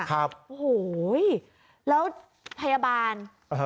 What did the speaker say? โหแล้วพยาบาล